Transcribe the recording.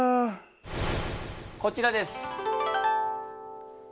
こちらです。